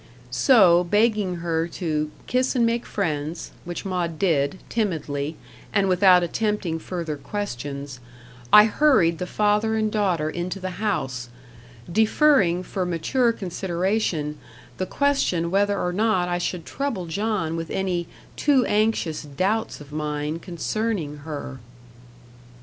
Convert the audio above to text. So, begging her to "kiss and make friends," which Maud did, timidly, and without attempting further questions, I hurried the father and daughter into the house; deferring for mature consideration, the question whether or not I should trouble John with any too anxious doubts of mine concerning her.